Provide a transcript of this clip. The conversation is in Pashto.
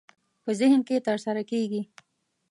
په ذهن کې ترسره کېږي.